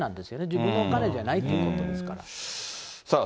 自分のお金じゃないということでさあ